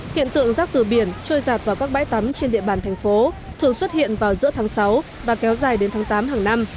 hiện tượng rác từ biển trôi giạt vào các bãi tắm trên địa bàn thành phố thường xuất hiện vào giữa tháng sáu và kéo dài đến tháng tám hàng năm